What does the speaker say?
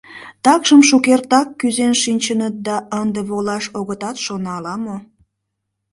Такшым шукертак кӱзен шинчыныт да ынде волаш огытат шоно ала-мо.